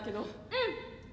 うん。